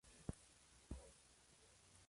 De ahí, el nombre del equipo.